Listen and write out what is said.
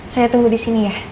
saya tunggu disini ya